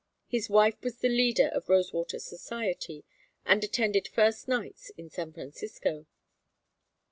His wife was the leader of Rosewater society and attended first nights in San Francisco.